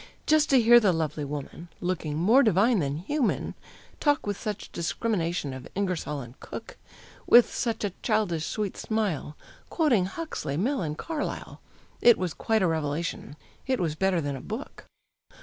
Just to hear the lovely woman, looking more divine than human, Talk with such discrimination of Ingersoll and Cook, With such a childish, sweet smile, quoting Huxley, Mill, and Carlyle It was quite a revelation it was better than a book.